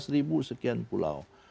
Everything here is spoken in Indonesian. tujuh belas ribu sekian pulau